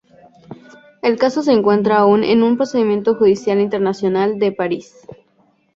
El caso se encuentra aún en un procedimiento judicial internacional de París.